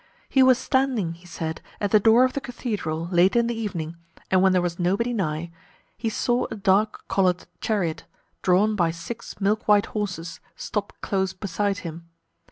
He was standing, he said, at the door of the cathedral, late in the evening; and when there was nobody nigh, he saw a dark coloured chariot, drawn by six milk white horses, stop close beside him.